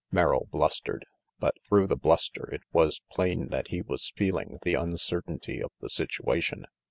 Merrill blustered, but through the bluster it was RANGY PETE 203 i plain that he was feeling the uncertainty of the situation.